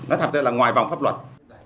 nó thật ra là ngoài vòng pháp luật